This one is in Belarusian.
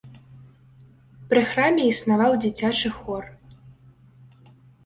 Пры храме існаваў дзіцячы хор.